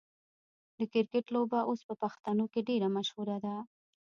د کرکټ لوبه اوس په پښتنو کې ډیره مشهوره ده.